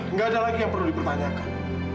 nggak ada lagi yang perlu dipertanyakan